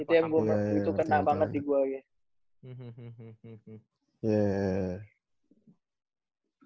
itu yang kena banget di gue